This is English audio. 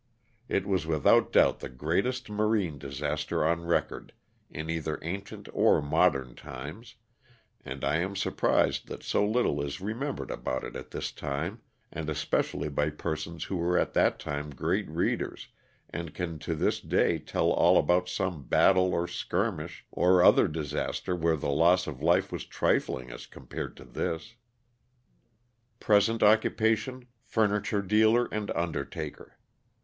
It was without doubt the greatest marine disaster on record, in either ancient or modern times, and I am surprised that so little is remembered about it at this time, and especially by persons who were at that time great readers and can to this day tell all about some battle or skirmish or other disaster where the loss of life was trifling as compared to this. Present occupation, furniture dealer and undertaker.